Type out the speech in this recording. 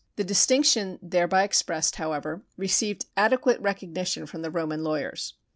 The distinction thereby expressed, however, received adequate recognition from the Roman lawyers.